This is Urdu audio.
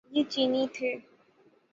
یہ چینی تھے۔